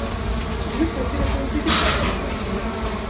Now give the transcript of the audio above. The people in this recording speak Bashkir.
Уны фатир өсөн кредитҡа түләйбеҙ.